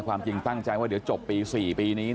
ความจริงตั้งใจว่าเดี๋ยวจบปี๔ปีนี้